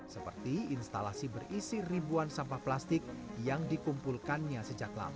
seperti instalasi berisi ribuan sampah plastik yang dikumpulkannya sejak lama